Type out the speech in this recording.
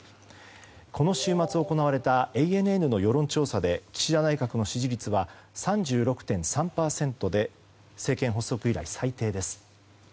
この週末行われたＡＮＮの世論調査で岸田内閣の支持率は３６．３％で政権発足以来最低です。